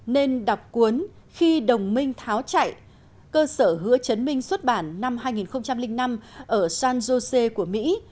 nên đọc cuốn khi đồng minh tháo chạy cơ sở hứa chấn minh xuất bản năm hai nghìn năm ở san jose của mỹ